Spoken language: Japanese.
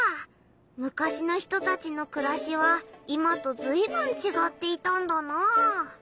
むかしの人たちのくらしは今とずいぶんちがっていたんだなあ。